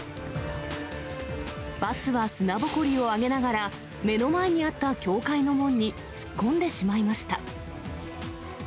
バスは砂ぼこりを上げながら、目の前にあった教会の門に突っ込んでしまいました。